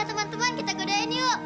teman teman kita godain yuk